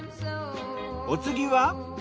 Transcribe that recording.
お次は？